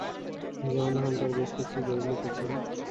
জন Hunter বেশ কিছু বই লিখেছেন।